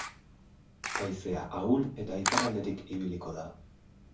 Haizea ahul eta iparraldetik ibiliko da.